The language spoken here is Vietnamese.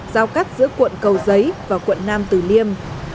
giao cắt giữa quận cầu giấy và quận nam tử liêm